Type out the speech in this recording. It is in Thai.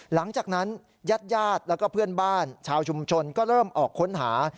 หลังจากนั้นญาติญาติแล้วก็เพื่อนบ้านชาวชุมชนก็เริ่มออกค้นหา